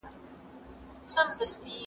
راځئ چې د خپلې ټولنې ستونزې وڅېړو.